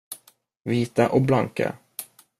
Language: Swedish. Vita och blanka.